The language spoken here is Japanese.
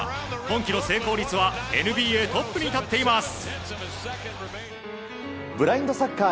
今季の成功率はＮＢＡトップに立っています。